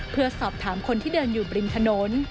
เพื่อสอบถามคนที่เดินอยู่ริมถนน